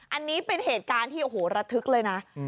อันนี้เป็นเหตุการณ์ที่โอ้โหระทึกเลยนะ